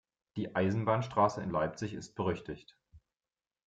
Die Eisenbahnstraße in Leipzig ist berüchtigt.